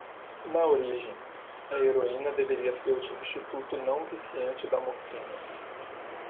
Na origem?, a heroína deveria ser o “substituto não-viciante da morfina”.